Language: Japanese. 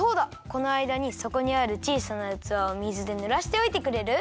このあいだにそこにあるちいさなうつわを水でぬらしておいてくれる？